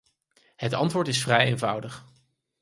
Het antwoord is vrij eenvoudig.